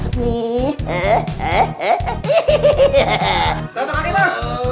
dateng lagi bos